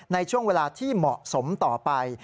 ในช่วงเวลาที่เหมาะสมต่อไป